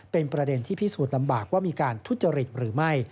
เป็นประเด็นที่พิสูจน์ลำบากว่ามีการทุจริตหรือไม่